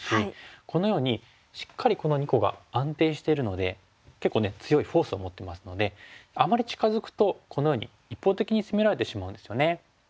このようにしっかりこの２個が安定してるので結構ね強いフォースを持ってますのであまり近づくとこのように一方的に攻められてしまうんですよね。